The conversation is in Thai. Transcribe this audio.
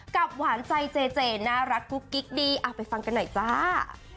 หวานใจเจเจน่ารักกุ๊กกิ๊กดีเอาไปฟังกันหน่อยจ้า